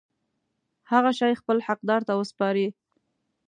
هغه شی خپل حقدار ته وسپاري.